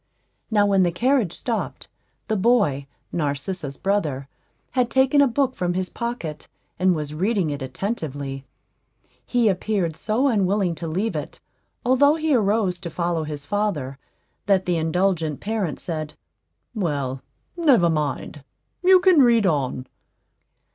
Now, when the carriage stopped, the boy, Narcissa's brother, had taken a book from his pocket, and was reading it attentively; he appeared so unwilling to leave it, although he arose to follow his father, that the indulgent parent said, "Well, never mind; you can read on."